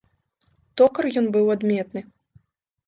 Токар ён быў адметны.